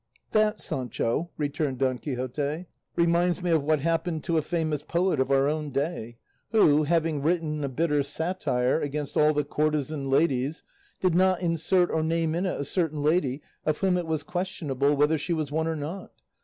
"That, Sancho," returned Don Quixote, "reminds me of what happened to a famous poet of our own day, who, having written a bitter satire against all the courtesan ladies, did not insert or name in it a certain lady of whom it was questionable whether she was one or not.